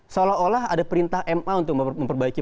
seolah olah ada perintah ma untuk memperbaiki